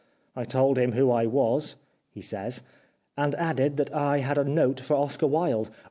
I told him who I was " he says, "and added that I had a note for Oscar Wilde.